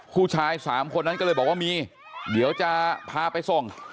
ผู้ชาย๓คนนั้นก็เลยบอกว่ามีเดี๋ยวจะพาไปส่ง